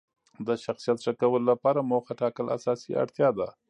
د شخصیت ښه کولو لپاره موخه ټاکل اساسي اړتیا ده.